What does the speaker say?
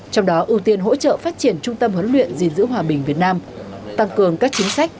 trong đó ưu tiên hỗ trợ phát triển trung tâm huấn luyện diễn giữ hòa bình việt nam tăng cường các chính sách